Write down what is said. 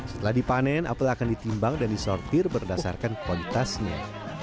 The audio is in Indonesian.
setelah dipanen apel akan ditimbang dan disortir berdasarkan kualitasnya